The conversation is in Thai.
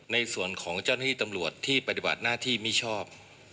ในส่วนของเจ้าหน้าที่ตำรวจที่ปฏิบัติหน้าที่ไม่ชอบ